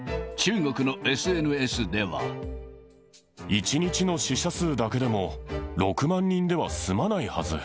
１日の死者数だけでも６万人では済まないはず。